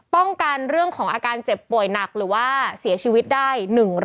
ป้องกันเรื่องของอาการเจ็บป่วยหนักหรือว่าเสียชีวิตได้